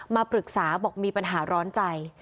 มาปรึกษาบอกมีปัญหาร้อนใจ